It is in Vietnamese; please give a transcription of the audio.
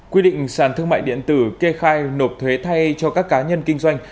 quy định sàn thương mại điện tử kê khai nộp thuế thay cho các cá nhân kinh doanh